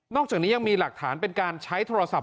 อกจากนี้ยังมีหลักฐานเป็นการใช้โทรศัพท